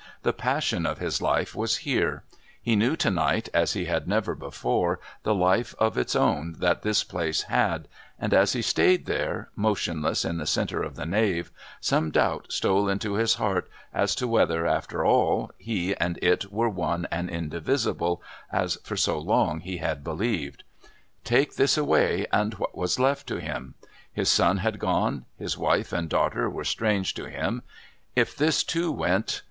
The passion of his life was here; he knew to night, as he had never before, the life of its own that this place had, and as he stayed there, motionless in the centre of the nave, some doubt stole into his heart as to whether, after all, he and it were one and indivisible, as for so long he had believed. Take this away, and what was left to him? His son had gone, his wife and daughter were strange to him; if this, too, went....